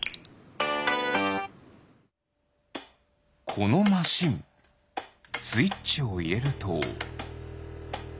このマシンスイッチをいれると。